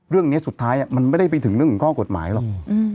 เรื่องนี้สุดท้ายมันไม่ได้ไปถึงเรื่องของข้อกฎหมายหรอก